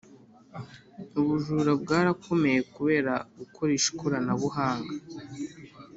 Ubujura bwarakomeye kubera gukoresha ikoranabuhanga